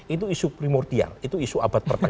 itu isu primordial itu isu abad pertama